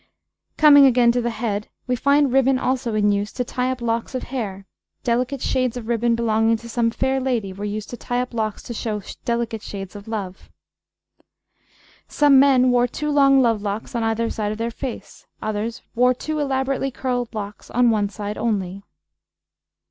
Coming again to the head, we find ribbon also in use to tie up locks of hair; delicate shades of ribbon belonging to some fair lady were used to tie up locks to show delicate shades of love. Some men wore two long love locks on either side of the face, others wore two elaborately curled locks on one side only.